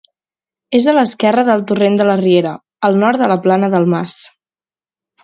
És a l'esquerra del torrent de la Riera, al nord de la Plana del Mas.